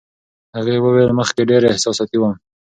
هغې وویل، مخکې ډېره احساساتي وم.